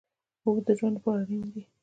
اوبه د ژوند لپاره اړینې دي.